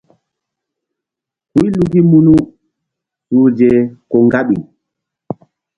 Huy luki munu uhze ko ŋgaɓi.